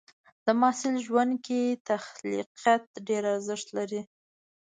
د محصل ژوند کې تخلیقيت ډېر ارزښت لري.